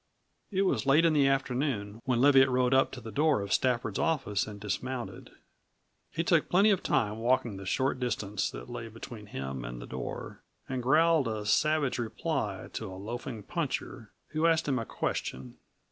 It was late in the afternoon when Leviatt rode up to the door of Stafford's office and dismounted. He took plenty of time walking the short distance that lay between him and the door, and growled a savage reply to a loafing puncher, who asked him a question.